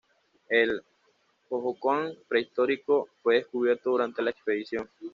El Hohokam prehistórico fue descubierto durante la expedición.